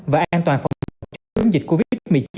và an toàn phòng chống dịch covid một mươi chín